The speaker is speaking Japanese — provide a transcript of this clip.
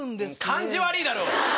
感じ悪ぃだろ！